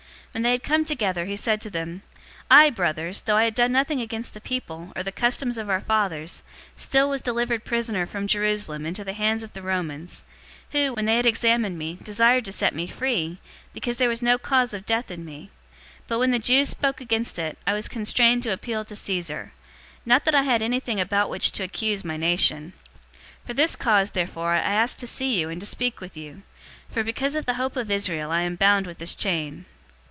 When they had come together, he said to them, "I, brothers, though I had done nothing against the people, or the customs of our fathers, still was delivered prisoner from Jerusalem into the hands of the Romans, 028:018 who, when they had examined me, desired to set me free, because there was no cause of death in me. 028:019 But when the Jews spoke against it, I was constrained to appeal to Caesar, not that I had anything about which to accuse my nation. 028:020 For this cause therefore I asked to see you and to speak with you. For because of the hope of Israel I am bound with this chain."